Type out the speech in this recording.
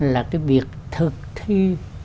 là cái việc thực thi